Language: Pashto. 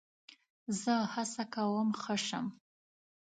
زه هڅه کوم ښه شم.